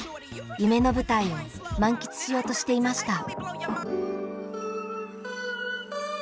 夢の舞台を満喫しようとしていました。